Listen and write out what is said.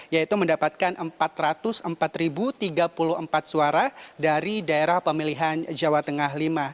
yaitu mendapatkan empat ratus empat tiga puluh empat suara dari daerah pemilihan jawa tengah v